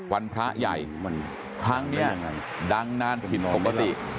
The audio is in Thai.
พระใหญ่ครั้งนี้ดังนานผิดปกติ